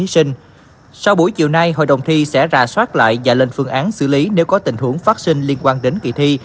sau buổi chiều nay hội đồng thi sẽ ra soát lại và lên phương án xử lý nếu có tình huống phát sinh liên quan đến kỳ thi